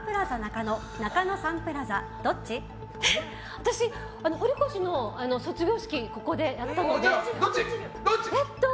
私、堀越の卒業式をここでやったので。